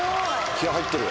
気合入ってる。